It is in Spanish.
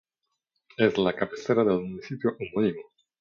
Es la cabecera del municipio homónimo.